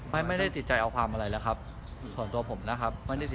ไม่ได้ติดใจเอาความอะไรนะครับส่วนตัวผมนะครับ